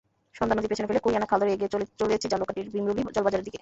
সন্ধ্যা নদী পেছনে ফেলে কুরিয়ানা খাল ধরে এগিয়ে চলেছি ঝালকাঠির ভিমরুলি জলবাজারের দিকে।